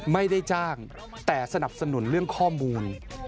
ไม่ได้จ้างแต่สนับสนุนเรื่องข้อมูล